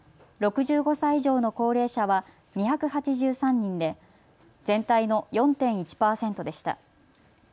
６５歳以上の高齢者は２８３人で全体の４．１％でした。